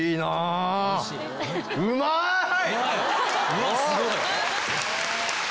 うわっすごい！